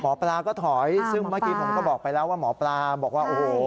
หมอปลาก็ถอยซึ่งเมื่อกี้ผมก็บอกไปแล้วว่าหมอปลาบอกว่าโอ้โห